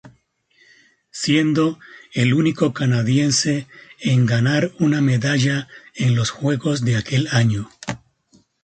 Siendo el único canadiense en ganar una medalla en los juegos de aquel año.